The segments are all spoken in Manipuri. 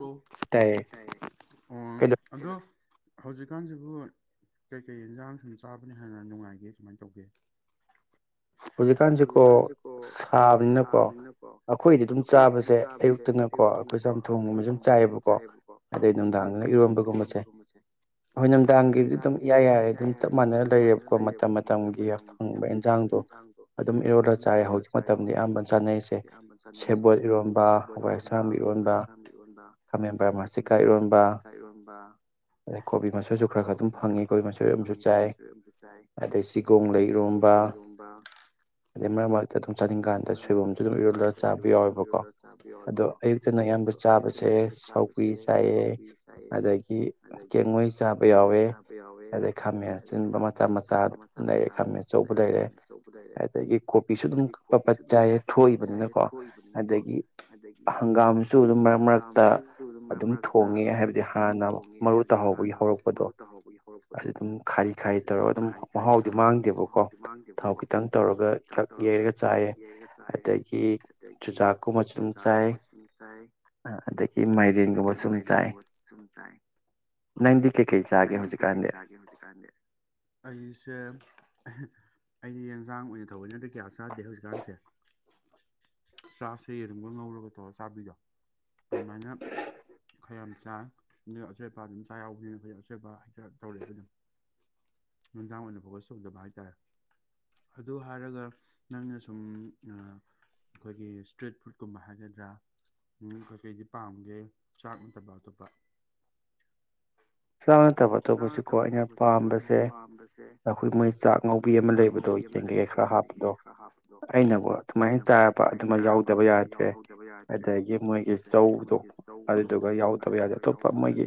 ꯑꯣ ꯑꯗꯣ ꯍꯧꯖꯤꯛ ꯍꯛꯀꯥꯡꯁꯤꯕꯨ ꯀꯩꯀꯩ ꯏꯟꯖꯥꯡ ꯁꯨꯝ ꯆꯥꯕꯅꯤ ꯍꯥꯟꯅ ꯅꯨꯡꯉꯥꯏꯒꯦ ꯁꯨꯃꯥꯏꯅ ꯇꯧꯒꯦ ꯍꯧꯖꯤꯛꯀꯥꯟꯁꯤꯀꯣ ꯁꯥꯕꯅꯤꯅꯀꯣ ꯑꯩꯈꯣꯏꯗꯤ ꯑꯗꯨꯝ ꯆꯥꯕꯁꯦ ꯑꯌꯨꯛꯇꯅꯀꯣ ꯑꯩꯈꯣꯏꯁꯦ ꯌꯥꯝ ꯣꯏꯣꯡꯒꯨꯝꯕ ꯁꯝ ꯆꯥꯏꯑꯕꯀꯣ ꯑꯗꯩ ꯅꯨꯡꯗꯥꯡꯗꯅ ꯏꯔꯣꯟꯕꯒꯨꯝꯕꯁꯦ ꯑꯩꯣꯏ ꯅꯨꯡꯗꯥꯡꯒꯤꯗꯤ ꯑꯗꯨꯝ ꯏ ꯌꯥꯏꯔꯦ ꯑꯗꯨꯝ ꯆꯞ ꯃꯥꯟꯅꯅ ꯂꯩꯔꯦꯕꯀꯣ ꯃꯇꯝ ꯃꯇꯝꯒꯤꯟꯥꯡ ꯑꯗꯨꯝ ꯏꯔꯣꯜꯂꯒ ꯆꯥꯔꯦ ꯍꯧꯖꯤꯛ ꯃꯇꯝꯗꯤ ꯑꯌꯥꯝꯕꯅ ꯆꯥꯅꯔꯤꯁꯦ ꯁꯦꯕꯣꯜ ꯏꯔꯣꯟꯕ ꯍꯋꯥꯣꯏ ꯑꯁꯥꯝꯒꯤ ꯏꯔꯣꯟꯕ ꯏꯔꯣꯟꯕ ꯈꯥꯃꯦꯟ ꯕꯔꯃꯁꯤꯀꯥ ꯏꯔꯣꯟꯕ ꯑꯗꯩ ꯀꯣꯕꯤ ꯃꯁꯣꯏꯁꯨ ꯈꯔ ꯈꯔ ꯑꯗꯨꯝ ꯐꯪꯉꯤ ꯀꯣꯕꯤ ꯃꯁꯣꯏ ꯏꯔꯣꯝꯁꯨ ꯆꯥꯏ ꯑꯗꯩ ꯆꯤꯒꯣꯡ ꯂꯩ ꯏꯔꯣꯝꯕ ꯑꯗꯩ ꯃꯔꯛ ꯃꯔꯛꯇ ꯑꯗꯨꯝ ꯆꯥꯅꯤꯡꯀꯥꯟꯗ ꯁꯣꯏꯕꯨꯝꯁꯨ ꯑꯗꯨꯝ ꯏꯔꯣꯜꯂ ꯆꯥꯕ ꯌꯥꯎꯋꯦꯕꯀꯣ ꯑꯗꯣ ꯑꯌꯨꯛꯇꯅ ꯑꯌꯥꯝꯕ ꯑꯌꯨꯛꯇꯅ ꯑꯌꯥꯝꯕꯥ ꯆꯥꯕꯁꯦ ꯁꯧꯒꯔ꯭ꯤ ꯆꯥꯏꯌꯦ ꯑꯗꯒꯤ ꯀꯦꯡꯉꯣꯏ ꯆꯥꯕ ꯌꯥꯎꯋꯦ ꯑꯗꯩ ꯈꯥꯃꯦꯟ ꯑꯁꯤꯟꯕ ꯃꯆꯥ ꯃꯆꯥ ꯑꯗꯨꯝ ꯂꯩ ꯈꯥꯃꯦꯟ ꯑꯆꯧꯕ ꯑꯗꯒꯤ ꯀꯣꯕꯤꯁꯨ ꯑꯗꯨꯝ [unintelligible] ꯆꯥꯏ ꯊꯣꯛꯏꯕꯅꯤꯅꯀꯣ ꯑꯗꯒꯤ ꯍꯪꯒꯥꯝꯁꯨ ꯑꯗꯨꯝ ꯃꯔꯛ ꯃꯔꯛꯇ ꯑꯗꯨꯝ ꯊꯣꯡꯉꯦ ꯍꯥꯏꯕꯗꯤ ꯍꯥꯟꯅ ꯃꯔꯨ ꯇꯥꯍꯧꯕꯒꯤ ꯍꯧꯔꯛꯄꯗꯣ ꯑꯗꯨ ꯑꯗꯨꯝ ꯈꯥꯔꯤ ꯈꯥꯔꯤ ꯇꯧꯔꯒ ꯑꯗꯨꯝ ꯃꯍꯥꯎꯗꯤ ꯃꯥꯡꯗꯦꯕꯀꯣ ꯊꯥꯎ ꯈꯤ ꯊꯥꯎ ꯈꯤꯇꯪ ꯇꯧꯔꯒ ꯊꯛ ꯌꯩꯔꯒ ꯆꯥꯏ ꯑꯗꯒꯤ ꯆꯨꯖꯥꯛꯀꯨꯝꯕꯁꯨ ꯗꯨꯝ ꯆꯥꯏ ꯑꯗꯒꯤ ꯃꯥꯏꯔꯦꯟꯒꯨꯝꯕ ꯁꯨꯝ ꯆꯥꯏ ꯅꯪꯗꯤ ꯀꯩꯀꯩ ꯆꯥꯒꯦ ꯍꯧꯖꯤꯛꯀꯥꯟꯗꯤ ꯑꯩꯁꯦ ꯑꯩꯗꯤ ꯌꯦꯟꯖꯥꯡ ꯑꯣꯏꯅ ꯊꯧꯕꯅꯤ ꯀꯌꯥ ꯆꯥꯗꯦ ꯍꯧꯖꯤꯀꯥꯟꯁꯦ ꯆꯥꯛꯁꯦ ꯌꯦꯔꯨꯝ ꯒ ꯉꯧꯔꯒ ꯇꯧꯔ ꯆꯥꯕꯤꯗꯣ [unintelligible] ꯈꯌꯥꯝ ꯆꯥꯏ ꯑꯁꯣꯏ ꯑꯄꯄꯥ ꯑꯗꯨꯝ ꯆꯥꯛꯌꯥꯎꯕꯤ ꯑꯩꯈꯣꯏ ꯑꯆꯣꯏꯠꯄ ꯍꯥꯏꯇꯥ ꯇꯧꯔꯛꯦꯕ ꯑꯗꯨꯝ ꯅꯨꯡꯗꯥꯡ ꯑꯣꯏꯅ ꯐꯣꯀꯁ ꯇꯧꯖꯕ ꯍꯥꯏ ꯇꯥꯔꯦ ꯑꯗꯨ ꯍꯥꯏꯔꯒ ꯅꯪꯅ ꯁꯨꯝ ꯑꯩꯈꯣꯏꯒꯤ ꯏꯁꯇ꯭ꯔꯤꯠ ꯐꯨꯗꯀꯨꯝꯕ ꯍꯥꯏꯒꯗ꯭ꯔꯥ ꯎꯝ ꯀꯩꯀꯩꯗꯤ ꯄꯥꯝꯒꯦ ꯆꯥꯛ ꯅꯠꯇꯕ ꯑꯇꯣꯞꯄ ꯆꯥꯛ ꯅꯠꯇꯕ ꯑꯇꯣꯞꯄꯁꯤꯀꯣ ꯑꯩꯅ ꯄꯥꯝꯕꯁꯦ ꯑꯩꯈꯣꯏ ꯃꯣꯏ ꯆꯥꯛ ꯉꯧꯕꯤ ꯑꯃ ꯂꯩꯕꯗꯣ ꯌꯦꯟ ꯀꯩ ꯈꯔ ꯍꯥꯞꯄꯗꯣ ꯑꯩꯅꯕꯨ ꯑꯗꯨꯃꯥꯏ ꯆꯥꯔꯕ ꯑꯗꯨꯃ ꯌꯥꯎꯗꯕ ꯌꯥꯗ꯭ꯔꯦ ꯑꯗꯒꯤ ꯃꯣꯏꯒꯤ ꯆꯧꯗꯣ ꯑꯗꯨꯗꯨꯒ ꯌꯥꯎꯗꯕ ꯌꯥꯗꯦ ꯑꯇꯣꯞꯄ ꯃꯣꯏꯒꯤ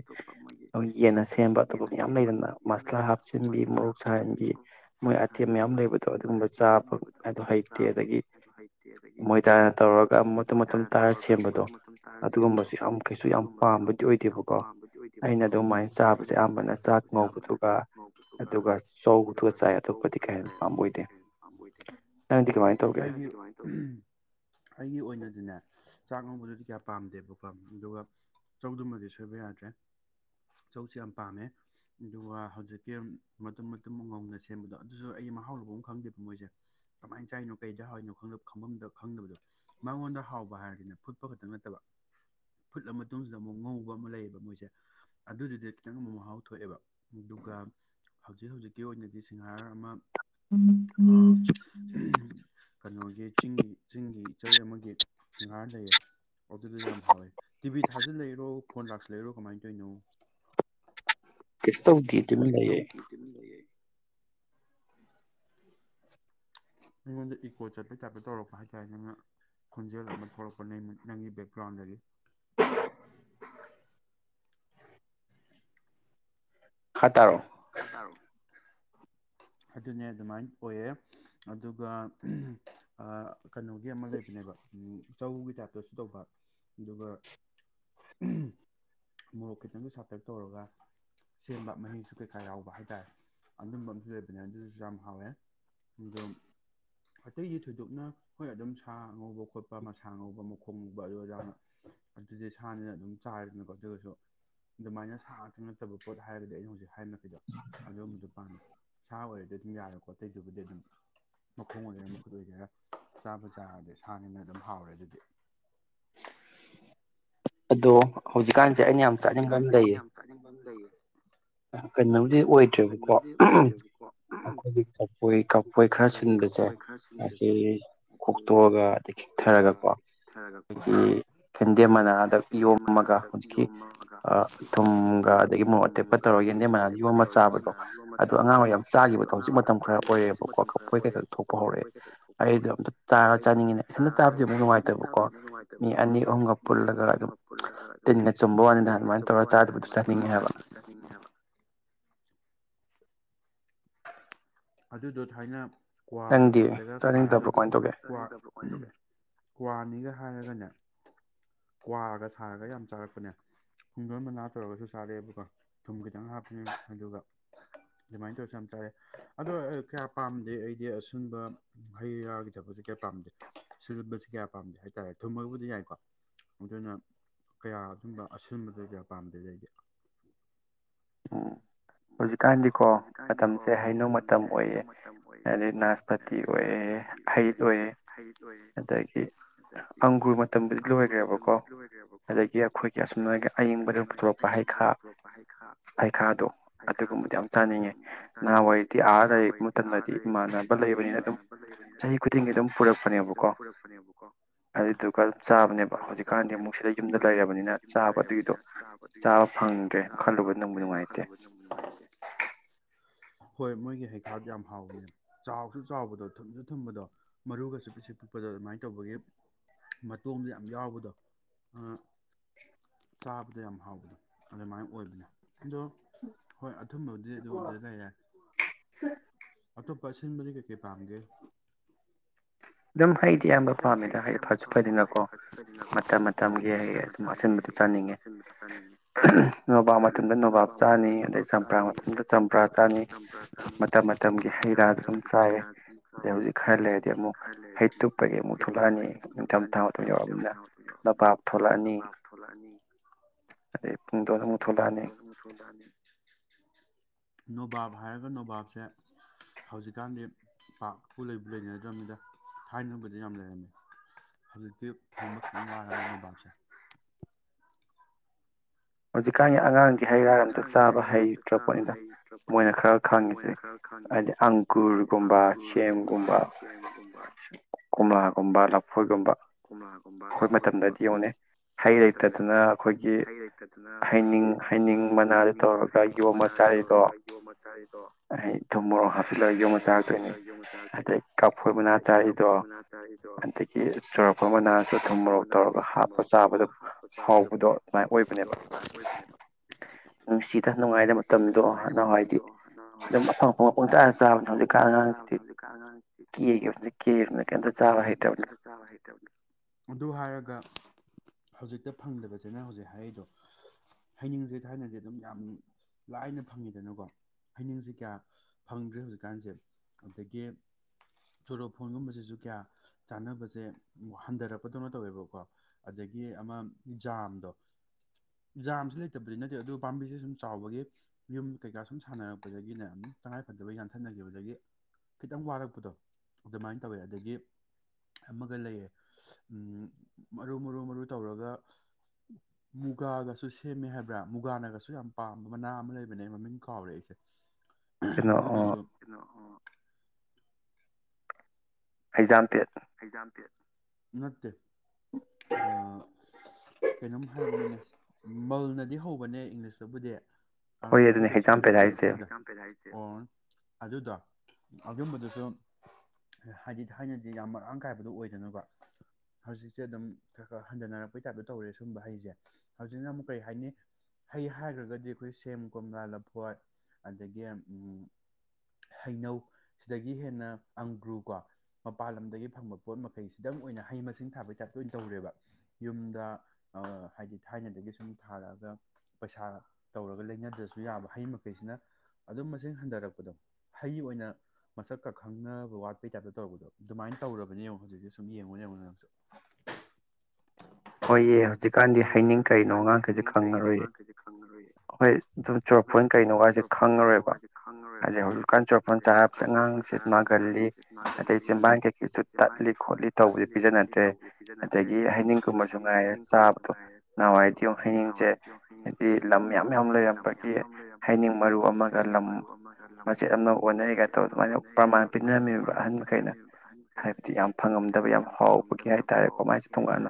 ꯁꯦꯝꯕ ꯑꯇꯣꯞꯄ ꯃꯌꯥꯝ ꯂꯩꯗꯅ ꯃꯁꯂꯥ ꯍꯥꯞꯆꯤꯟꯕꯤ ꯃꯣꯔꯣꯛ ꯁꯥꯍꯟꯕꯤ ꯃꯣꯏ ꯑꯥꯏꯇꯦꯝ ꯃꯌꯥꯝ ꯂꯩꯕꯗꯣ ꯑꯗꯨꯒꯨꯝꯕ ꯆꯥꯕ ꯍꯥꯏꯗꯣ ꯍꯩꯇꯦ ꯑꯗꯒꯤ ꯃꯣꯏꯗꯥꯅ ꯇꯧꯔꯒ ꯃꯇꯨꯝ ꯃꯇꯨꯝ ꯇꯥꯔ ꯁꯦꯝꯕꯗꯣ ꯑꯗꯨꯒꯨꯝꯕꯁꯨ ꯌꯥꯝ ꯀꯩꯁꯨ ꯌꯥꯝ ꯄꯥꯝꯕꯗꯤ ꯑꯣꯏꯗꯦꯕꯀꯣ ꯑꯩꯅ ꯑꯩꯅ ꯑꯗꯨꯝꯃꯥꯏꯅ ꯆꯥꯕꯁꯦ ꯑꯌꯥꯝꯕꯅ ꯆꯥꯛ ꯉꯧꯕꯗꯨꯕ ꯑꯗꯨꯒ ꯆꯧ ꯈꯔ ꯆꯥꯏ ꯑꯇꯣꯞꯄꯗꯤ ꯀ ꯑꯝꯕ ꯑꯣꯏꯗꯦ ꯑꯩꯒꯤ ꯑꯗꯨꯃꯥꯏꯅ ꯇꯧ ꯑꯩꯒꯤ ꯑꯣꯏꯅꯗꯤꯅꯦ ꯆꯥꯛ ꯉꯧꯕꯗꯨꯗꯤ ꯀꯌꯥ ꯄꯥꯝꯗꯦꯕꯀꯣ ꯑꯗꯨꯒ ꯆꯧꯗꯨꯃꯗꯤ ꯁꯣꯏꯕ ꯌꯥꯗ꯭ꯔꯦ ꯆꯧꯁꯨ ꯌꯥꯝ ꯄꯥꯝꯃꯦ ꯑꯗꯨꯒ ꯍꯧꯖꯤꯛꯀꯤ ꯃꯇꯨꯝ ꯃꯇꯨꯝ ꯉꯧꯅ ꯁꯦꯝꯕꯗꯣ ꯑꯗꯨꯁꯨ ꯑꯩ ꯃꯍꯥꯎ ꯂꯨꯕ ꯑꯃ ꯈꯪꯗꯦꯕ ꯃꯣꯏꯁꯦ ꯀꯃꯥꯏꯅ ꯆꯥꯏꯅꯣ ꯀꯩꯗ ꯍꯥꯎꯏꯅꯣ ꯈꯪꯐꯝꯗ ꯈꯪꯗꯕꯗꯣ ꯃꯉꯣꯟꯗ ꯍꯥꯎꯕ ꯍꯥꯏꯔꯁꯤꯅ ꯐꯨꯠꯄ ꯈꯛꯇꯪ ꯅꯠꯇꯕ ꯐꯨꯠꯂ ꯃꯇꯨꯡꯁꯤꯗ ꯑꯃꯨꯛ ꯉꯧꯕ ꯑꯃ ꯂꯩꯌꯦꯕ ꯃꯣꯏꯁꯦ ꯑꯗꯨꯗꯨꯗꯤ ꯈꯤꯇꯪ ꯑꯃꯨꯛ ꯃꯍꯥꯎ ꯊꯣꯛꯑꯦꯕ ꯑꯗꯨꯒ ꯍꯧꯖꯤꯛ ꯍꯧꯖꯤꯛꯀꯤ ꯑꯣꯏꯅꯗꯤ ꯁꯤꯡꯍꯥꯔ ꯑꯃ ꯑꯥ [unintelligible] ꯀꯩꯅꯣꯒꯤ ꯆꯤꯡꯒꯤ ꯆꯤꯡꯒꯤ ꯏꯆꯦ ꯑꯃꯒꯤ ꯁꯤꯡꯍꯥꯔ ꯂꯩꯌꯦ ꯑꯗꯨꯗ ꯌꯥꯝ ꯍꯥꯎꯋꯦ ꯇꯤꯚꯤ ꯊꯥꯖꯤꯜ ꯂꯩꯏꯔꯣ ꯐꯣꯟ ꯂꯥꯛꯁꯤꯜꯂ ꯂꯩꯔꯣ ꯀꯃꯥꯏꯅ ꯇꯧꯔꯤꯅꯣ ꯀꯩꯁ ꯇꯧꯗꯦ ꯇꯃꯤꯟ ꯂꯩꯌꯦ ꯑꯩꯉꯣꯟꯗ ꯏꯀꯣ ꯆꯠꯄꯩ ꯇꯥꯏꯞꯇ ꯇꯧꯔꯛꯄ ꯍꯥꯏꯇꯥꯔꯦ ꯅꯪꯅ ꯈꯣꯟꯖꯦꯜ ꯑꯃ ꯊꯣꯛꯂꯛꯄ ꯅꯪꯒꯤ ꯕꯦꯛꯒ꯭ꯔꯥꯎꯟꯗꯒꯤ ꯈꯥ ꯇꯔꯣ ꯈ ꯇꯔꯣ ꯑꯗꯨꯅꯦ ꯑꯗꯨꯃꯥꯏꯅ ꯑꯣꯏꯌꯦꯦ ꯑꯗꯨꯒ ꯀꯩꯅꯣꯒꯤ ꯑꯃ ꯂꯩꯕꯅꯦꯕ ꯆꯧꯒꯤ ꯇꯥꯏꯞꯇꯁꯨ ꯇꯧꯕ ꯑꯗꯨꯒ ꯃꯣꯔꯣꯛ ꯈꯤꯇꯪꯁꯨ ꯁꯥꯇꯛ ꯇꯧꯔꯒ ꯁꯦꯝꯕ ꯃꯍꯤꯁꯨ ꯀꯩꯀꯥ ꯌꯥꯎꯕ ꯍꯥꯏꯇꯥꯔꯦ ꯑꯗꯨꯝꯕ ꯑꯃꯁꯨ ꯂꯩꯕꯅꯦ ꯑꯗꯨꯗꯁꯨ ꯌꯥꯝ ꯍꯥꯎꯋꯦ ꯑꯣ ꯑꯇꯩꯗꯤ ꯊꯣꯏꯗꯣꯛꯅ ꯍꯣꯏ ꯑꯗꯨꯝ ꯁꯥ ꯉꯧꯕ ꯈꯣꯠꯄ ꯃꯁꯥ ꯉꯧꯕ ꯃꯈꯣꯡ ꯉꯧꯕ ꯑꯗꯨ ꯑꯗꯥꯅ ꯑꯗꯨꯗꯤ ꯁꯥꯁꯤꯅ ꯑꯗꯨꯝ ꯆꯥꯔꯦꯗꯅꯀꯣ ꯑꯗꯨꯁꯨ ꯑꯗꯨꯃꯥꯏꯅ ꯁꯥ ꯈꯛ ꯅꯠꯇꯕ ꯄꯣꯠ ꯍꯥꯏꯔꯒꯗꯤ ꯑꯩꯅ ꯍꯧꯖꯤꯛ ꯍꯥꯏꯅ ꯀꯩꯗꯣ ꯑꯗꯨꯒꯝꯕꯗꯨ ꯄꯥꯝꯃꯦ ꯁꯥ ꯑꯣꯏꯔꯗꯤ ꯑꯗꯨꯝ ꯌꯥꯔꯦꯀꯣ ꯑꯇꯩꯗꯨꯕꯨꯗꯤ ꯑꯗꯨꯝ ꯃꯈꯣꯡ ꯑꯣꯏꯒꯦꯔꯥ ꯃꯈꯨꯠ ꯑꯣꯏꯒꯦꯔꯥ ꯆꯥꯕꯨ ꯆꯥꯔꯗꯤ ꯁꯥꯅꯤꯅ ꯑꯗꯨꯝ ꯍꯥꯎꯔꯦ ꯑꯗꯨꯗꯤ ꯑꯗꯣ ꯑꯗꯣ ꯍꯧꯖꯤꯛꯀꯥꯟꯁꯦ ꯑꯩꯅ ꯌꯥꯝ ꯆꯥꯅꯤꯡꯕ ꯑꯃ ꯂꯩꯌꯦ ꯀꯩꯅꯣꯗꯤ ꯑꯣꯏꯗ꯭ꯔꯦꯕꯀꯣ ꯑꯩꯈꯣꯏꯒꯤ ꯀꯐꯣꯏ ꯀꯐꯣꯏ ꯈꯔ ꯁꯤꯟꯕꯁꯦ ꯑꯁꯤ ꯈꯣꯛꯇꯣꯛꯑꯒ ꯑꯗꯩ ꯈꯤꯛꯊꯔꯒꯀꯣ ꯍꯥꯏꯗꯤ ꯀꯦꯟꯗꯦꯝ ꯃꯅꯥꯗ ꯌꯣꯝꯃꯒ ꯌꯣꯝꯃꯒ ꯊꯨꯝ ꯇꯧꯔ ꯌꯦꯟꯗꯦꯝ ꯃꯅꯥ ꯌꯣꯟꯕ ꯆꯥꯕꯗꯣ ꯑꯗꯣ ꯑꯉꯥꯡ ꯑꯣꯏꯔꯤ ꯌꯥꯝ ꯆꯥꯈꯤꯕꯗꯣ ꯍꯧꯖꯤꯛ ꯃꯇꯝ ꯈꯔ ꯑꯣꯏꯔꯦꯕꯀꯣ ꯀꯄꯣꯏ ꯀꯩ ꯈ ꯊꯣꯛꯄ ꯍꯧꯔꯛꯑꯦ ꯑꯩꯗꯣ ꯑꯝꯇ ꯆꯥꯔ ꯆꯥꯅꯤꯡꯉꯤꯅ ꯏꯊꯟꯅ ꯆꯥꯕꯗꯤ ꯑꯃꯛ ꯅꯨꯡꯉꯥꯏꯇꯕꯀꯣ ꯃꯤ ꯑꯅꯤ ꯑꯍꯨꯝꯒ ꯄꯨꯜꯂꯒ ꯑꯗꯨꯝ ꯆꯨꯝꯕ ꯋꯥꯅꯤꯗ ꯑꯗꯨꯃꯥꯏꯅ ꯇꯧꯔꯒ ꯆꯥꯗꯕꯗꯨ ꯆꯥꯅꯤꯡꯉꯦ ꯍꯥꯏꯕ ꯑꯗꯨꯗꯣ ꯊꯥꯏꯅ ꯀ꯭ꯋꯥꯒꯤ ꯇꯥꯏꯞꯇꯒ ꯁꯥꯔꯒ ꯀ꯭ꯋꯥꯅꯤꯒ ꯍꯥꯏꯔꯒꯅꯦ ꯀ꯭ꯔꯒ ꯁꯥꯔꯒ ꯌꯥꯝ ꯆꯥꯔꯛꯄꯅꯦ ꯈꯣꯡꯖꯣꯣꯟ ꯃꯅꯥ ꯇꯧꯔꯒꯁꯨ ꯁꯥꯔꯛꯑꯦꯕꯀꯣ ꯊꯨꯝ ꯈꯤꯇꯪ ꯍꯥꯞꯄꯅꯦ ꯑꯗꯨꯒ ꯑꯗꯨꯃꯥꯏꯅ ꯇꯧꯔꯁꯨ ꯌꯥꯝ ꯆꯥꯔꯦ ꯑꯗꯣ ꯀꯌꯥ ꯄꯥꯝꯗꯦ ꯑꯩꯗꯤ ꯑꯁꯤꯁꯨꯝꯕ ꯍꯩ ꯔꯥꯒꯤ ꯊꯕꯛꯁ ꯀꯌꯥ ꯄꯥꯝꯗꯦ ꯁꯤꯟꯕꯕꯁꯤ ꯀꯌꯥ ꯄꯥꯝꯗꯦ ꯍꯥꯏꯇꯥꯔꯦ ꯊꯨꯝꯃꯕꯨꯗꯤ ꯌꯥꯏꯀꯣ ꯑꯗꯨꯅ ꯀꯌꯥ ꯑꯗꯨꯝꯕ ꯑꯁꯤꯟꯕꯗ ꯀꯌꯥ ꯄꯥꯝꯗꯦꯦ ꯑꯩꯗꯤ ꯑꯝ ꯍꯧꯖꯤꯛꯀꯥꯟꯗꯤꯀꯣ ꯃꯇꯝꯁꯦ ꯍꯩꯅꯧ ꯃꯇꯝ ꯑꯣꯏꯑ ꯑꯗꯩ ꯅꯥꯁꯄꯇꯤ ꯑꯣꯏꯑ ꯍꯩꯠ ꯑꯣꯏꯑ ꯑꯗꯒꯤ ꯑꯪꯒꯨꯔ ꯃꯇꯝꯕꯨꯗꯤ ꯂꯣꯏꯈ꯭ꯔꯦꯕꯀꯣ ꯑꯗꯒꯤ ꯑꯩꯈꯣꯏꯒꯤ ꯑꯁꯨꯝꯒꯤ ꯑꯏꯪꯕꯗ ꯄꯨꯊꯣꯔꯛꯄ ꯍꯩꯈꯥ ꯐꯥꯏ ꯈꯥꯗ ꯑꯗꯨꯒꯨꯝꯕꯗꯤ ꯌꯥꯝ ꯆꯥꯅꯤꯡꯉꯦ ꯅꯍꯥꯟꯋꯥꯏꯗꯤ ꯑꯥ ꯂꯩ ꯃꯇꯝꯗꯗꯤ ꯏꯃꯥꯟꯅꯕ ꯂꯩꯕꯅꯤꯅ ꯑꯗꯨꯝ ꯆꯍꯤ ꯈꯨꯗꯤꯡꯒꯤ ꯑꯗꯨꯝ ꯄꯨꯔꯛꯄꯅꯦꯕꯀꯣ ꯑꯗꯨꯗꯨꯒ ꯑꯗꯨꯝ ꯆꯥꯕꯅꯦꯕ ꯍꯧꯖꯤꯛꯀꯥꯟꯗꯤ ꯑꯃꯨꯛ ꯁꯤꯗ ꯌꯨꯝꯗ ꯂꯩꯔꯕꯅꯤꯅ ꯆꯥꯕ ꯑꯗꯨꯒꯤꯗꯣ ꯆꯥꯕ ꯐꯪꯗ꯭ꯔꯦ ꯈꯜꯂꯨꯕ ꯑꯗꯨ ꯈꯜꯂꯨꯕꯦ ꯍꯣꯏ ꯃꯣꯏꯒꯤ ꯍꯩꯈꯥꯗꯨꯣ ꯌꯥꯝ ꯍꯥꯎꯕꯅꯦꯕ ꯆꯥꯎꯁꯨ ꯆꯥꯎꯕꯗꯣ ꯊꯨꯝꯁꯨ ꯊꯨꯝꯕꯗꯣ ꯃꯔꯨꯒꯁꯨ ꯄꯤꯁꯤꯛ ꯄꯤꯛꯄꯗꯣ ꯑꯗꯨꯃꯥꯏꯅ ꯇꯧꯕꯒꯤ ꯃꯇꯣꯝꯗ ꯌꯥꯝ ꯌꯥꯎꯕꯗꯣ ꯆꯥꯕꯗ ꯌꯥꯝ ꯍꯥꯎꯕꯗꯣ ꯑꯗꯨꯃꯥꯏꯅ ꯑꯣꯏꯕꯅꯦ ꯑꯗꯣ ꯍꯣꯏ ꯑꯗꯨ ꯑꯊꯨꯝꯕꯕꯨꯗꯤ ꯑꯗꯨ ꯎꯗ ꯂ ꯌꯥ ꯑꯇꯣꯞꯄꯁꯤꯟꯕꯗꯤ ꯀꯩ ꯀꯩ ꯄꯥꯝꯒꯦ ꯑꯗꯨꯝ ꯍꯩꯗꯤ ꯑꯌꯥꯝꯕ ꯄꯥꯝꯃꯤꯅ ꯍꯗꯤ ꯐꯁꯨ ꯐꯗꯅꯀꯣ ꯃꯇꯝ ꯃꯇꯝꯒꯤ ꯑꯩ ꯁꯨꯝ ꯑꯁꯤꯟꯕꯗꯨꯣ ꯆꯥꯅꯤꯡꯉꯦ ꯅꯣꯕꯥꯞ ꯃꯇꯝꯗ ꯅꯣꯕꯥꯞ ꯆꯥꯅꯤ ꯑꯗꯩ ꯆꯝꯄ꯭ꯔꯥ ꯃꯇꯝꯗ ꯆꯝꯄ꯭ꯔꯥ ꯆꯥꯅꯤ ꯃꯇꯝ ꯃꯇꯝꯒꯤ ꯍꯩ ꯔꯥꯁꯨ ꯑꯗꯨꯝ ꯆꯥꯏꯑꯦ ꯑꯗꯩ ꯍꯧꯖꯤꯛ ꯈꯔ ꯂꯩꯔꯗꯤ ꯑꯃꯨꯛ ꯑꯦꯦꯠꯇꯨꯄꯩ ꯍꯩꯠꯇꯨꯞ ꯀꯔꯤ ꯑꯃꯨꯛ ꯊꯣꯛꯂꯛꯑꯅꯤ ꯅꯤꯡꯊꯝꯊꯥ ꯌꯧꯑꯅꯤꯅ ꯅꯄꯥꯛꯞ ꯊꯣꯛꯣꯂꯛꯑꯅꯤ ꯑꯗꯩ ꯈꯨꯡꯗꯣ ꯑꯃꯨꯛ ꯊꯣꯛꯂꯛꯑꯅꯤ ꯅꯣꯕꯥꯞ ꯍꯥꯏꯔꯒ ꯅꯣꯕꯥꯞꯁꯦ ꯍꯧꯖꯤꯛꯀꯥꯟꯗꯤ ꯄꯄꯨ ꯂꯩ ꯂꯩꯅꯗ꯭ꯔꯕꯅꯤꯗ ꯊꯅꯕꯗ ꯌꯥꯝ ꯂꯩꯔꯝꯃꯤ ꯍꯧꯖꯤꯛꯇꯤ ꯐꯪꯕ ꯈꯤꯇꯪ ꯋꯥꯔꯝꯃꯤ ꯅꯣꯕꯥꯜꯁꯦ ꯍꯧ ꯑꯩꯀꯥꯡꯉꯦ ꯑꯉꯥꯡꯗꯤ ꯍꯩ ꯔꯥ ꯑꯝꯇ ꯆꯥꯕ ꯍꯩꯇ꯭ꯔ ꯄꯣꯠꯅꯤꯗ ꯃꯣꯏꯅ ꯈꯔ ꯈꯪꯉꯤꯁꯦ ꯍꯥꯏꯗꯤ ꯑꯪꯒꯨꯔꯒꯨꯝꯕ ꯁꯦꯝꯒꯨꯝꯕ ꯀꯣꯝꯂꯥꯒꯨꯝꯕ ꯂꯐꯣꯏꯒꯨꯝꯕ ꯑꯩꯈꯣꯏ ꯃꯇꯝꯗꯗꯤ ꯌꯡꯅꯩ ꯍꯩ ꯂꯩꯇꯗꯅ ꯑꯩꯈꯣꯏꯒꯤ ꯑꯗꯨꯅ ꯑꯩꯈꯣꯏꯒꯤ ꯍꯩꯅꯤꯡ ꯃꯅꯥꯗ ꯇꯧꯔꯒ ꯌꯣꯝꯃ ꯆꯥꯔꯤꯗꯣ ꯑꯩ ꯊꯨꯝ ꯃꯣꯔꯣꯛ ꯍꯥꯞꯆꯤꯜꯂꯒ ꯌꯣꯝꯃ ꯆꯥꯔꯛꯇꯣꯏꯅꯤ ꯑꯗꯩ ꯀꯥꯞꯐꯣꯏ ꯃꯅꯥ ꯆꯥꯔꯤꯗꯣ ꯑꯗꯒꯤ ꯆꯨꯔꯛꯄ ꯃꯅꯥꯁꯨ ꯊꯨꯝ ꯃꯣꯔꯣꯛ ꯇꯧꯔꯒ ꯍꯥꯞꯄ ꯆꯥꯕꯗꯣ ꯍꯥꯎꯕꯗꯣ ꯑꯗꯨꯃꯥꯏꯅ ꯑꯣꯏꯕꯅꯦꯕ ꯅꯨꯡꯁꯤꯗ ꯅꯨꯡꯉꯥꯏꯔ ꯃꯇꯝꯗꯣ ꯍꯋꯥꯗꯤ ꯑꯗꯨꯝ ꯃꯄꯨꯡ ꯆꯥꯅ ꯆꯥꯕꯅꯤ ꯍꯧꯖꯤꯛꯀ ꯑꯉꯥꯡꯁꯤ ꯀꯖꯤꯅ ꯀꯩꯇ ꯆꯥꯕ ꯍꯩꯇꯕ ꯍꯥꯏꯔꯒ ꯍꯧꯖꯤꯛꯇ ꯐꯪꯗꯕꯁꯤꯅ ꯍꯧꯖꯤꯛ ꯍꯥꯏꯔꯤꯗꯣ ꯍꯩꯅꯤꯡꯁꯦ ꯊꯥꯏꯅꯗꯤ ꯑꯗꯨꯝ ꯌꯥꯝ ꯂꯥꯏꯅ ꯐꯪꯉꯤꯗꯅꯀꯣ ꯍꯩꯅꯤꯡꯁꯦ ꯀꯌꯥ ꯐꯪꯗ꯭ꯔꯦ ꯍꯧꯖꯤꯛꯀꯥꯟꯁꯦ ꯑꯗꯒꯤ ꯆꯣꯔꯣꯐꯣꯟꯒꯨꯝꯕꯁꯤꯁꯨ ꯀꯌꯥ ꯆꯥꯟꯅꯕꯁꯦ ꯍꯟꯊꯔꯛꯄꯗꯧꯅꯣ ꯇꯧꯋꯦꯕꯀꯣ ꯑꯗꯒꯤ ꯑꯃ ꯖꯥꯝꯗꯣ ꯖꯥꯝ ꯂꯩꯇꯕꯗꯤ ꯅꯠꯇꯦ ꯑꯗꯨ ꯄꯥꯝꯕꯤꯁꯦ ꯁꯨꯝ ꯆꯥꯎꯕꯒꯤ ꯌꯨꯝ ꯀꯩꯀꯥ ꯁꯨꯝ ꯁꯥꯟꯅꯔꯛꯄꯗꯒꯤꯅꯦ ꯇꯉꯥꯏꯐꯗꯕ ꯌꯥꯟꯊꯠꯅꯈꯤꯕꯗꯒꯤ ꯈꯤꯇꯪ ꯋꯥꯔꯛꯄꯗꯣ ꯑꯗꯨꯃꯥꯏꯅ ꯇꯧꯋꯦ ꯑꯗꯒꯤ ꯑꯃꯒ ꯂꯩꯌꯦ ꯃꯔꯨ ꯃꯔꯨ ꯃꯔꯨ ꯇꯧꯔꯒ ꯃꯨꯒꯥꯒꯁꯨ ꯁꯦꯝꯃꯦ ꯍꯥꯏꯕ꯭ꯔꯥ ꯃꯨꯒꯥꯅꯒꯁꯨ ꯌꯥꯝ ꯄꯥꯝꯕ ꯃꯅꯥ ꯑꯃ ꯂꯩꯕꯅꯦ ꯑꯩ ꯃꯃꯤꯡ ꯀꯥꯎꯔꯦ ꯑꯩꯁꯦ ꯑꯗꯨꯗꯨꯁꯨ ꯀꯩꯅꯣ ꯍꯩꯖꯥꯝꯄꯦꯠ ꯑꯦꯛꯖꯥꯝꯄ ꯅꯠꯇ ꯑ ꯀꯩꯅꯣꯝ ꯍꯥꯏꯕꯅꯤꯅꯦ ꯃꯜꯅꯗꯤ ꯍꯧꯕꯅꯦ ꯏꯪꯂꯤꯁꯇꯕꯨꯗꯤ ꯑꯩꯈꯣꯏ ꯀꯗ ꯑꯗꯨꯗꯣ ꯑꯗꯨꯝꯕꯗꯨꯁꯨ ꯍꯥꯏꯗꯤ ꯊꯥꯏꯅꯗꯤ ꯌꯥꯝ ꯃꯔꯥꯡ ꯀꯥꯏꯕꯗꯣ ꯑꯣꯏꯗꯅꯀꯣ ꯍꯧꯖꯤꯛꯁꯦ ꯑꯗꯨꯝ ꯈꯔ ꯈꯔ ꯍꯟꯊꯅꯔꯛꯄꯩ ꯇꯥꯏꯞꯇ ꯇꯧꯔꯦ ꯁꯨꯝꯕ ꯍꯩꯁꯦ ꯍꯧꯖꯤꯛꯅ ꯑꯃꯨꯛ ꯀꯩ ꯍꯥꯏꯅꯤ ꯍꯩ ꯍꯥꯏꯈ꯭ꯔꯒꯗꯤ ꯑꯩꯈꯣꯏ ꯁꯦꯝ ꯀꯣꯝꯂꯥ ꯂꯐꯣꯠ ꯑꯗꯒꯤ ꯍꯩꯅꯧ ꯁꯤꯗꯒꯤ ꯍꯦꯟꯅ ꯑꯪꯒ꯭ꯔꯨ ꯀꯣ ꯃꯄꯥꯟ ꯂꯝꯗꯒꯤ ꯐꯪꯕ ꯄꯣꯠ ꯃꯈꯩꯁꯤꯗꯪ ꯑꯣꯏꯅ ꯍꯩ ꯃꯁꯤꯡ ꯊꯥꯕꯩ ꯇꯥꯏꯞꯇ ꯑꯣꯏꯅ ꯇꯧꯔꯦꯕ ꯌꯨꯝꯗ ꯍꯥꯏꯗꯤ ꯊꯥꯏꯅꯗꯒꯤ ꯁꯨꯝ ꯊꯥꯔꯛꯑꯒ ꯄꯩꯁꯥ ꯇꯧꯔꯒ ꯂꯩꯅꯗ꯭ꯔꯁꯨ ꯌꯥꯕ ꯍꯩ ꯃꯈꯩꯁꯤꯅ ꯑꯗꯨꯝ ꯃꯁꯤꯡ ꯍꯟꯊꯔꯛꯄꯗꯣ ꯍꯩ ꯑꯣꯏꯅ ꯃꯁꯛꯀ ꯈꯪꯅꯕ ꯋꯥꯠꯄꯩ ꯇꯥꯏꯞꯇ ꯇꯧꯔꯛꯄꯗꯣ ꯑꯗꯨꯃꯥꯏꯅ ꯇꯧꯔꯕꯅꯦꯕ ꯍꯧꯖꯤꯛꯇꯤ ꯁꯨꯝ ꯌꯦꯡꯉꯨꯅꯦꯉ ꯅꯪꯁꯨ ꯍꯣꯏꯌꯦ ꯍꯧꯖꯤꯛꯀꯥꯟꯗꯤ ꯍꯩꯅꯤꯡ ꯀꯩꯅꯣ ꯑꯉꯥꯡꯈꯩꯁꯦ ꯈꯪꯉꯔꯣꯏꯌꯦ ꯍꯣꯏ ꯑꯗꯨꯝ ꯆꯣꯔꯐꯣꯟ ꯀꯩꯅꯣꯒꯁꯦ ꯈꯪꯉꯔꯣꯏꯕ ꯑ ꯍꯧꯖꯤꯛꯀꯥꯟ ꯆꯣꯔꯐꯣꯟ ꯆꯥ ꯍꯥꯏꯕꯁꯦ ꯑꯉꯥꯡꯁꯦ ꯅꯥꯒꯜꯂꯤ ꯑꯗꯩ ꯆꯦꯕꯥꯟ ꯀꯩꯀꯩꯁꯨ ꯇꯠꯂꯤ ꯈꯣꯠꯂꯤ ꯇꯧꯕꯁꯦ ꯄꯤꯖꯅꯗ꯭ꯔꯦ ꯑꯗꯒꯤ ꯍꯅꯤꯡ ꯉꯥꯏ ꯆ ꯅꯍꯥꯟꯋꯥꯏꯗꯤ ꯍꯩꯅꯤꯡꯁꯦ ꯍꯥꯏꯗꯤ ꯂꯝ ꯌꯥꯝ ꯌꯥꯝ ꯂꯩꯔꯝꯕꯒꯤ ꯍꯩꯅꯤꯡ ꯃꯔꯨ ꯑꯃꯒ ꯂꯝ ꯃꯆꯦꯠ ꯑꯃꯅ ꯑꯣꯟꯅꯔꯤꯒ ꯇꯧꯔ ꯑꯗꯨꯃꯥꯏꯅ ꯄ꯭ꯔꯃꯥꯟ ꯄꯤꯅꯔꯝꯃꯤꯕ ꯑꯍꯟ ꯃꯈꯩꯅ ꯍꯥꯏꯕꯗꯤ ꯌꯥꯝ ꯐꯪꯉꯝꯗꯕ ꯌꯥꯝ ꯍꯥꯎꯕꯒꯤ ꯍꯥꯏ ꯇꯔꯦꯀꯣ ꯃꯥꯏꯁꯨ ꯊꯣꯡꯒꯥꯟꯅ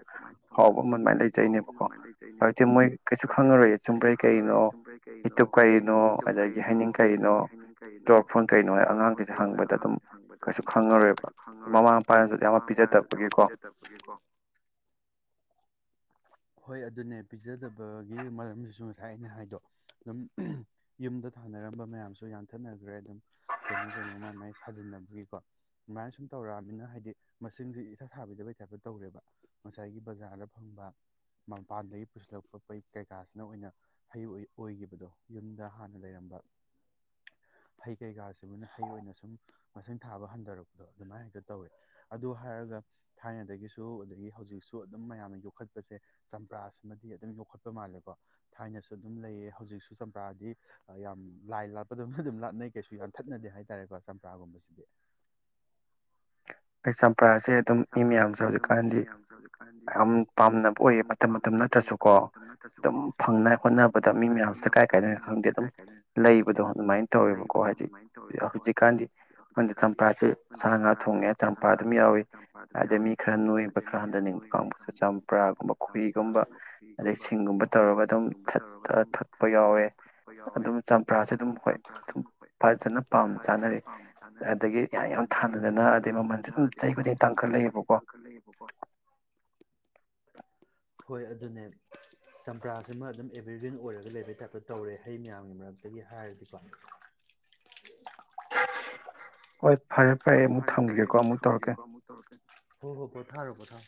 ꯍꯕ ꯃ ꯃꯥꯏ ꯂꯩ ꯑꯥꯎꯕ ꯑꯃ ꯑꯗꯨꯃꯥꯏꯅ ꯂꯩꯖꯩꯅꯦꯕꯀꯣ ꯍꯧꯛꯇꯤ ꯃꯣꯏ ꯀꯩꯁꯨ ꯈꯪꯉꯔꯣꯏ ꯆꯨꯝꯕ꯭ꯔꯩ ꯀꯩꯅꯣ ꯌꯨꯇꯨꯞ ꯀꯩꯅꯣ ꯑꯗꯒꯤ ꯍꯥꯏꯩꯅꯤꯡ ꯀꯩꯅꯣ ꯏꯁꯇꯣꯔ ꯐꯣꯟ ꯀꯩꯅꯣ ꯑꯉꯥꯡꯈꯩꯁꯨ ꯍꯪꯕꯗ ꯑꯗꯨꯝ ꯀꯩꯁꯨ ꯈꯪꯉꯔꯣꯏꯕ ꯃꯃꯥ ꯃꯄꯥꯅꯁꯨ ꯀꯌꯥꯃ ꯄꯤꯖꯗꯕꯒꯤꯀꯣ ꯍꯣꯏ ꯑꯗꯨꯅꯦ ꯄꯤꯖꯗꯕꯒꯤ ꯃꯔꯝꯁꯤꯁꯨ ꯉꯁꯥꯏ ꯑꯩꯅ ꯍꯥꯏꯗꯣ ꯑꯗꯨꯝ ꯌꯨꯝꯗ ꯊꯥꯅꯔꯝꯕ ꯃꯌꯥꯝꯁꯨ ꯌꯥꯟꯊꯠꯅꯈ꯭ꯔꯦ ꯑꯗꯨꯝ ꯀꯩꯅꯣ ꯀꯩꯅꯣ ꯀꯃꯥꯏ ꯃꯥꯏꯅ ꯊꯖꯤꯟꯅꯕꯒꯤꯀꯣ ꯑꯗꯨꯃꯥꯏꯅ ꯁꯨꯝ ꯇꯧꯔꯛꯑꯅꯤꯅ ꯍꯥꯏꯗꯤ ꯃꯁꯤꯡꯁ ꯏꯁꯥ ꯊꯥꯕꯤꯗꯕꯩ ꯇꯥꯏꯞꯇ ꯇꯧꯔꯦꯕ ꯉꯁꯥꯏꯒꯤ ꯕꯖꯥꯔꯗ ꯑ ꯐꯪꯕ ꯃꯄꯥꯟꯗꯒꯤ ꯄꯨꯁꯤꯜꯂꯛꯄ ꯐꯩ ꯀꯩꯀꯥꯁꯤꯅ ꯑꯣꯏꯅ ꯍꯩ ꯑꯣꯏ ꯑꯣꯏꯈꯤꯕꯗꯣ ꯌꯨꯝꯗ ꯍꯥꯟꯅ ꯂꯩꯔꯝꯕ ꯍꯩ ꯀꯩꯀꯥꯁꯤꯕꯨꯅ ꯍꯩ ꯑꯣꯏꯅ ꯁꯨꯝ ꯃꯁꯪ ꯊꯥꯕ ꯍꯟꯊꯔꯛꯄꯗꯣ ꯑꯗꯨꯃꯥꯏꯅ ꯍꯛꯇ ꯇꯧꯋꯤ ꯑꯗꯨ ꯍꯥꯏꯔꯒ ꯊꯥꯏꯅꯗꯒꯤꯁꯨ ꯑꯗꯒꯤ ꯍꯧꯖꯤꯛꯁꯨ ꯑꯗꯨꯝ ꯃꯌꯥꯝ ꯌꯣꯛꯈꯠꯄꯁꯦ ꯆꯝꯄ꯭ꯔꯥꯁꯤꯃꯗꯤ ꯑꯗꯨꯝ ꯌꯣꯛꯈꯠꯄ ꯃꯥꯜꯂꯦꯀꯣ ꯊꯥꯏꯅꯁꯨ ꯑꯗꯨꯝ ꯂꯩꯌꯦ ꯍꯧꯖꯤꯛꯁꯨ ꯆꯝꯄ꯭ꯔꯥꯗꯤ ꯌꯥꯝ ꯂꯥꯏ ꯂꯥꯠꯄꯗ ꯑꯗꯨꯝ ꯂꯥꯠꯅꯩ ꯀꯩꯁꯨ ꯌꯥꯝꯊꯠꯅꯗꯦ ꯍꯥꯏꯇꯥꯔꯦꯀꯣ ꯆꯝꯄ꯭ꯔꯥꯒꯨꯝꯕꯁꯤꯗꯤ ꯐꯁꯝ ꯆꯝꯄꯔꯥꯁꯦ ꯑꯗꯨꯝ ꯃꯤ ꯃꯌꯥꯝꯁꯦ ꯍꯧꯖꯤꯛꯀꯥꯟꯗꯤ ꯌꯥꯝ ꯄꯥꯝꯅꯕ ꯑꯣꯏꯌꯦ ꯃꯇꯝ ꯃꯇꯝ ꯅꯠꯇ꯭ꯔꯁꯨꯀꯣ ꯑꯗꯨꯝ ꯐꯪꯅ ꯍꯣꯠꯅꯕꯗ ꯃꯤ ꯃꯌꯥꯝꯁꯤꯗ ꯀꯥꯏ ꯀꯥꯏꯗꯣ ꯈꯪꯗꯦ ꯑꯗꯨꯝ ꯂꯩꯕꯗꯣ ꯑꯗꯨꯃꯥꯏꯅ ꯇꯧꯋꯦꯕꯀꯣ ꯍꯥꯏꯗꯤ ꯍꯧꯖꯤꯛꯀꯥꯟꯗꯤꯪꯗꯤ ꯆꯝꯄꯔꯥꯥꯁꯦ ꯁꯥ ꯉꯥ ꯊꯣꯡꯉꯦ ꯆꯝꯄꯥ ꯑꯗꯨꯃꯤ ꯌꯥꯎꯋꯦ ꯑꯗꯩ ꯃꯤ ꯈꯔ ꯅꯣꯏꯕ ꯈꯔ ꯍꯟꯊꯅꯤꯡꯕ ꯀꯥꯡꯕꯨꯁꯨ ꯆꯝꯄꯔꯥꯒꯨꯝꯕ ꯈꯍꯤꯒꯨꯝꯕ ꯑꯗꯩ ꯁꯤꯡꯒꯨꯝꯕ ꯇꯧꯔꯒ ꯑꯗꯨꯝ ꯊꯛꯄ ꯌꯥꯎꯋꯦ ꯑꯗꯨꯝ ꯆꯝꯄ꯭ꯔꯥꯁꯨ ꯑꯗꯨꯝ ꯍꯣꯏ ꯑꯗꯨꯝ ꯐꯖꯅ ꯄꯥꯝꯅ ꯆꯥꯅꯔꯤ ꯑꯗꯒꯤ ꯌꯥꯝ ꯌꯥꯝ ꯊꯥꯅꯗꯅ [unintelligible] ꯎꯝ ꯑꯩꯕꯨꯗꯤ ꯇꯥꯡꯈꯠꯂꯛꯑꯦꯕꯀꯣ ꯍꯣꯏ ꯑꯗꯨꯅꯦ ꯆꯝꯄ꯭ꯔꯥꯁꯤꯃ ꯑꯗꯨꯝ ꯑꯦꯚꯔꯒ꯭ꯔꯤꯟ ꯑꯣꯏꯔꯒ ꯂꯩꯕꯩ ꯇꯥꯏꯞꯇꯣ ꯇꯧꯔꯦ ꯍꯩ ꯃꯌꯥꯝꯒꯤ ꯃꯔꯛꯇꯒꯤ ꯍꯥꯏꯔꯗꯤꯀꯣ ꯍꯣꯏ ꯐꯔꯦ ꯐꯔꯦ ꯑꯃꯨꯛ ꯊꯝꯒꯦꯀꯣ ꯑꯃꯨꯛ ꯇꯧꯔꯛꯀꯦ ꯍꯣ ꯍꯣꯏ ꯚꯣ ꯊꯥꯔꯣ ꯣꯊꯥꯣ